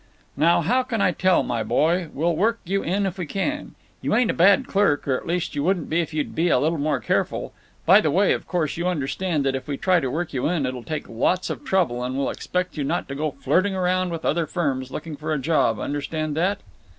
"Now, how can I tell, my boy? We'll work you in if we can—you ain't a bad clerk; or at least you wouldn't be if you'd be a little more careful. By the way, of course you understand that if we try to work you in it'll take lots of trouble, and we'll expect you to not go flirting round with other firms, looking for a job. Understand that?"